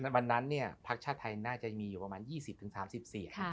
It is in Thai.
วันนั้นภักดิ์ชาติไทยน่าจะมีอยู่ประมาณ๒๐๓๐เสียง